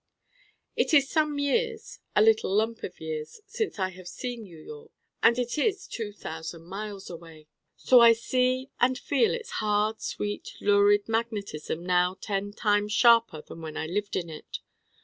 It is some years a little lump of years since I have seen New York: and it is two thousand miles away. So I see and feel its hard sweet lurid magnetism now ten times sharper than when I lived in it.